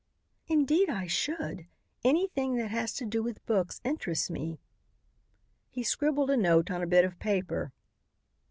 "Indeed I should. Anything that has to do with books interests me." He scribbled a note on a bit of paper.